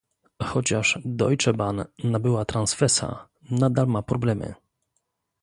Chociaż Deutsche Bahn nabyła Transfesa, nadal ma problemy